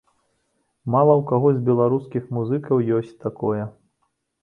Мала ў каго з беларускіх музыкаў ёсць такое.